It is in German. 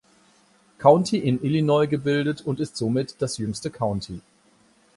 County in Illinois gebildet und ist somit das jüngste County.